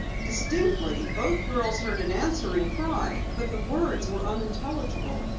Distinctly, both girls heard an answering cry, but the words were unintelligible.